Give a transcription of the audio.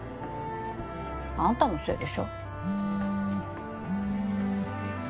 あんたのせいでしょ。